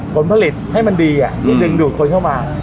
ผลผลิตให้มันดีที่ดึงดูดคนเข้ามา